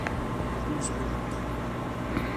滾水淥腳